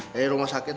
dari rumah sakit